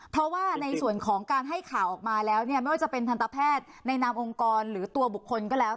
เพราะว่าในส่วนของการให้ข่าวออกมาแล้วเนี่ยไม่ว่าจะเป็นทันตแพทย์ในนามองค์กรหรือตัวบุคคลก็แล้ว